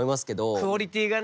クオリティーがね。